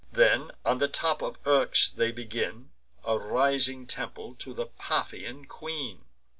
Then, on the top of Eryx, they begin A rising temple to the Paphian queen.